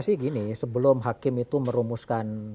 sih gini sebelum hakim itu merumuskan